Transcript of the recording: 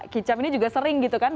kicap ini juga sering gitu kan